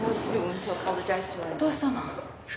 どうしたの？